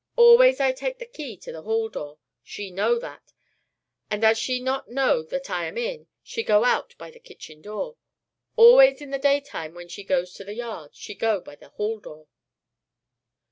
Always I take the key to the hall door. She know that, and as she not know that I am in, she go out by the kitchen door. Always in the daytime when she goes to the yard she go by the hall door."